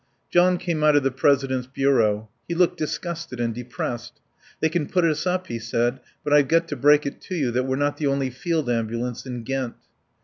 John came out of the President's bureau. He looked disgusted and depressed. "They can put us up," he said; "but I've got to break it to you that we're not the only Field Ambulance in Ghent."